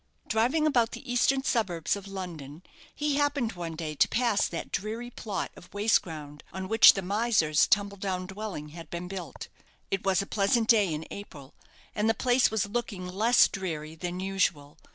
Driving about the eastern suburbs of London, he happened one day to pass that dreary plot of waste ground on which the miser's tumble down dwelling had been built. It was a pleasant day in April, and the place was looking less dreary than usual.